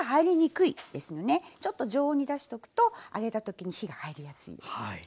ちょっと常温に出しとくと揚げた時に火が入りやすいです。